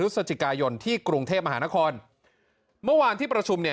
พฤศจิกายนที่กรุงเทพมหานครเมื่อวานที่ประชุมเนี่ย